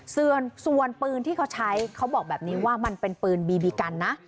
ส่วนปืนที่เขาใช้เขาบอกแบบนี้ว่ามันเป็นปืนบีบีกันนะ